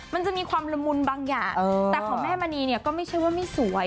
มันจะมีความละมุนบางอย่างแต่ของแม่มณีเนี่ยก็ไม่ใช่ว่าไม่สวย